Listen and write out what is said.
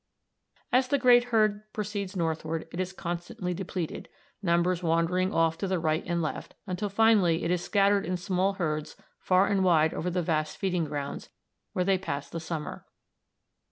"As the great herd proceeds northward it is constantly depleted, numbers wandering off to the right and left, until finally it is scattered in small herds far and wide over the vast feeding grounds, where they pass the summer.